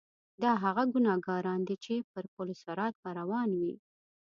دا هغه ګناګاران دي چې پر پل صراط به روان وي.